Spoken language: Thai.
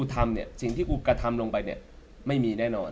แต่ไม่ได้อยู่ในวงที่เขายิงกันใช่ไหม